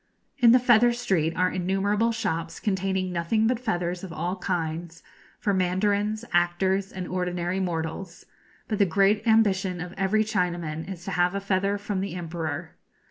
In the Feather Street are innumerable shops containing nothing but feathers of all kinds for mandarins, actors, and ordinary mortals; but the great ambition of every Chinaman is to have a feather from the Emperor.